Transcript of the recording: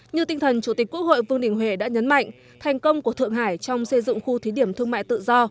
như tinh thần chủ tịch quốc hội vương đình huệ đã nhấn mạnh thành công của thượng hải trong xây dựng khu thí điểm thương mại tự do